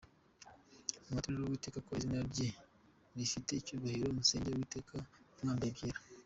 Mwāturire Uwiteka ko izina rye rifite icyubahiro, Musenge Uwiteka mwambaye ibyera.